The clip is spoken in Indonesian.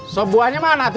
sob buahnya mana tujuh